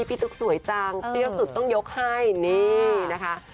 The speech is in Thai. ตุ๊กสวยจังเปรี้ยวสุดต้องยกให้นี่นะคะ